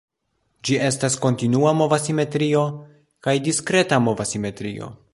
Ĝi estas kontinua mova simetrio kaj diskreta mova simetrio.